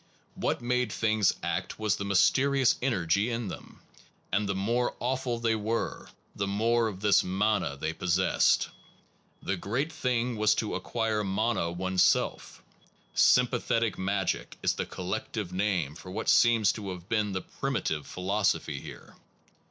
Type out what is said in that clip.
What made things act was the mysterious energy in them, and the more awful they were, the more of this mana they possessed. The great thing was to acquire mana oneself. Sympathetic magic* is the collective name for what seems to have been the primitive philosophy here.